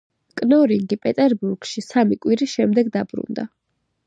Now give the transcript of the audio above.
კნორინგი პეტერბურგში სამი კვირის შემდეგ დაბრუნდა.